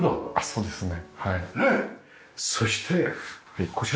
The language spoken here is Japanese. そうですね。